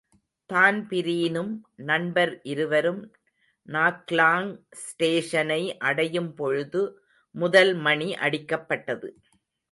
தான்பீரினும் நண்பர் இருவரும் நாக்லாங் ஸ்டேஷனை அடையும் பொழுது முதல் மணி அடிக்கப்பட்டது.